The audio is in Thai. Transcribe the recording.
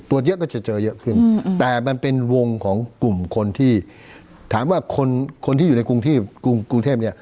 ตัวเยอะก็จะเจอเยอะขึ้นแต่มันเป็นวงของกลุ่มคนที่ถามว่าคนที่อยู่ในกรุงเทพฯ